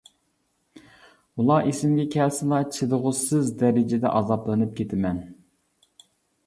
ئۇلار ئېسىمگە كەلسىلا چىدىغۇسىز دەرىجىدە ئازابلىنىپ كېتىمەن.